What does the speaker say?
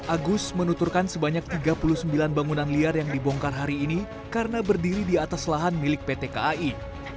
agus menuturkan sebanyak tiga puluh sembilan bangunan liar yang dibongkar hari ini karena berdiri di atas lahan milik pt kai